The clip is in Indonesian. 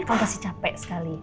kamu masih capek sekali